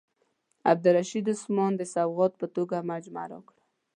عبدالرشید عثمان د سوغات په توګه مجموعه راکړه.